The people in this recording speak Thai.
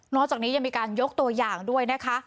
จากนี้ยังมีการยกตัวอย่างด้วยนะคะ